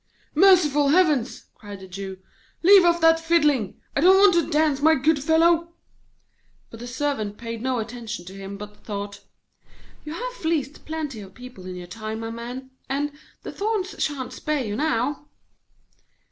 'Merciful Heavens!' cried the Jew. 'Leave off that fiddling! I don't want to dance, my good fellow.' But the Servant paid no attention to him, but thought: 'You have fleeced plenty of people in your time, my man, and the thorns shan't spare you now!'